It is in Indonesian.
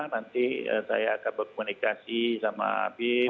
nanti saya akan berkomunikasi sama habib